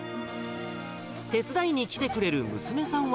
手伝いに来てくれる娘さんは。